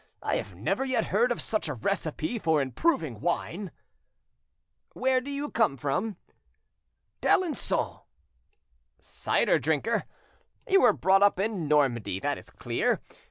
I never yet heard of such a recipe for improving wine." "Where do you come from?" "D'Alencon." "Cider drinker! You were brought up in Normandy, that is clear.